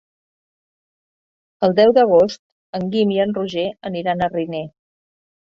El deu d'agost en Guim i en Roger aniran a Riner.